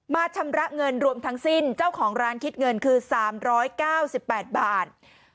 ชำระเงินรวมทั้งสิ้นเจ้าของร้านคิดเงินคือ๓๙๘บาท